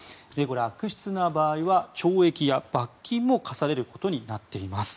悪質な場合は懲役や罰金も科されることになっています。